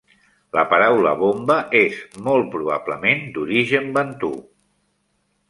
La paraula bomba és, molt probablement, d'origen bantu.